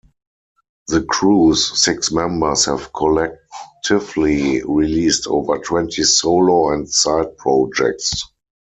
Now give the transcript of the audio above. The crew's six members have collectively released over twenty solo and side projects.